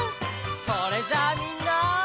それじゃあみんな！